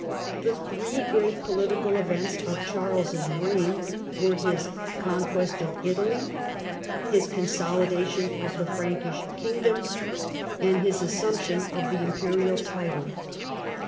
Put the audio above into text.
The three great political events of Charles's reign were his conquest of Italy, his consolidation of the Frankish kingdom, and his assumption of the imperial title.